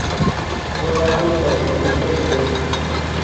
Son aptos para el consumo en fresco.